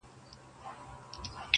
په غمونو پسي تل د ښادۍ زور وي،